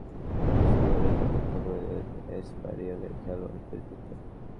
Tunnel দিয়ে বেরিয়ে যাওয়ার সময় সুয়ারেজ অপেক্ষা করছিলেন এসপানিওলের খেলোয়াড়দের জন্য।